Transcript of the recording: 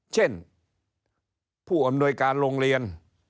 เช่นผู้อำนวยการโรงเรียน